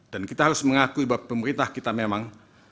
dan kita harus mengakui bahwa pemerintah kita memang